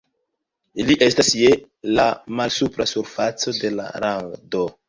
Ili estas je la malsupra surfaco de la rando.